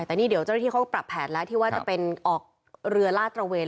ใช่แต่นี่เดี๋ยวที่เขาปรับแผลที่ว่าจะเป็นออกเรือล่าตรวน